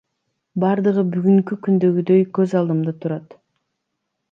Бардыгы бүгүнкү күндөгүдөй көз алдымда турат.